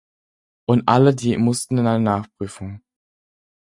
Und alle die mussten in eine Nachprüfung.